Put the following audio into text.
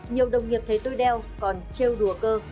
nhiều đồng nghiệp thấy tôi đeo còn treo đùa cơ